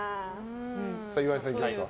岩井さん、いきますか。